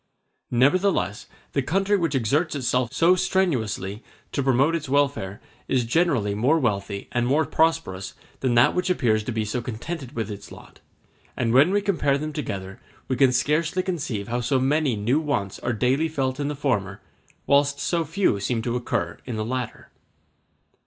Nevertheless, the country which exerts itself so strenuously to promote its welfare is generally more wealthy and more prosperous than that which appears to be so contented with its lot; and when we compare them together, we can scarcely conceive how so many new wants are daily felt in the former, whilst so few seem to occur in the latter.